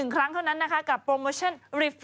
กับโปรโมชั่นรีฟิว